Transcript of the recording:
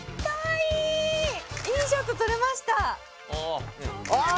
いいショット撮れましたああ